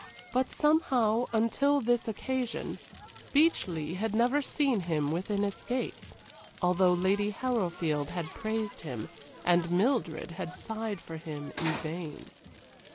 But somehow, until this occasion, Beechleigh had never seen him within its gates, although Lady Harrowfield had praised him, and Mildred had sighed for him in vain.